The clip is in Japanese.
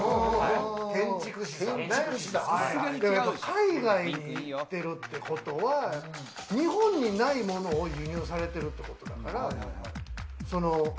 海外に行ってるってことは、日本にないものを輸入されているということだから。